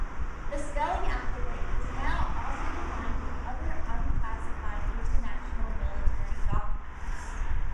The spelling alphabet is now also defined in other unclassified international military documents.